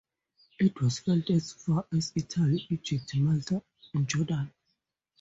It was felt as far as Italy, Egypt, Malta and Jordan.